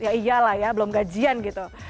ya iyalah ya belum gajian gitu